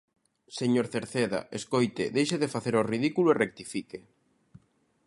Señor Cerceda, escoite, deixe de facer o ridículo e rectifique.